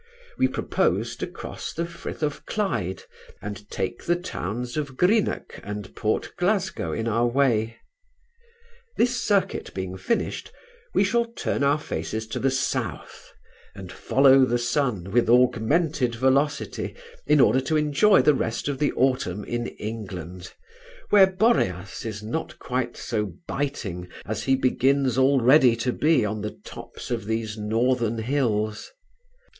We propose to cross the Frith of Clyde, and take the towns of Greenock and Port Glasgow in our way. This circuit being finished, we shall turn our faces to the south, and follow the sun with augmented velocity, in order to enjoy the rest of the autumn in England, where Boreas is not quite so biting as he begins already to be on the tops of these northern hills.